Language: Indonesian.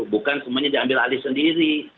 bukan semuanya diambil alih sendiri